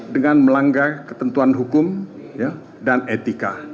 dengan melanggar ketentuan hukum dan etika